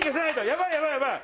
やばい！